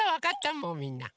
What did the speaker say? もうみんな。